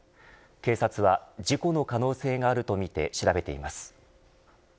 警察は事故の可能性があるとみて調べています。